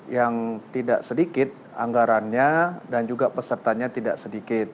yang tidak sedikit anggarannya dan juga pesertanya tidak sedikit